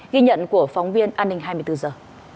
ghi nhận của phóng viên an ninh hai mươi bốn giờ